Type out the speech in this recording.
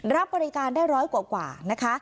รับบริการได้ร้อยกว่านะคะ